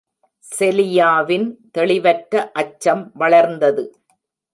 செலியாவின் தெளிவற்ற அச்சம் வளர்ந்தது.